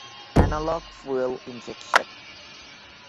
Analog fuel injection.